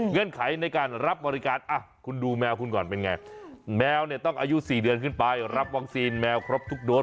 ไขในการรับบริการคุณดูแมวคุณก่อนเป็นไงแมวเนี่ยต้องอายุ๔เดือนขึ้นไปรับวัคซีนแมวครบทุกโดส